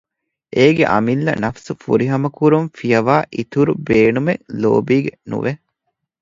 އޭގެ އަމިއްލަ ނަފުސު ފުރިހަމަކުރުން ފިޔަވައި އިތުރު ބޭނުމެއް ލޯބީގެ ނުވެ